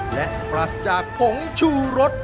และปรัสจากผงชูรส